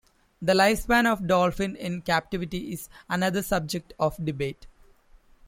The lifespan of dolphins in captivity is another subject of debate.